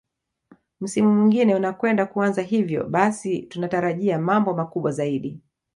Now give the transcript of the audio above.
Msimu mwingine unakwenda kuanza hivyo basi tunatarajia mambo makubwa zaidi